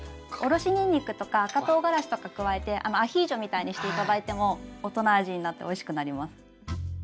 おろしにんにくとか赤とうがらしとか加えてアヒージョみたいにして頂いても大人味になっておいしくなります。